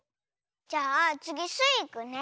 じゃあつぎスイいくね。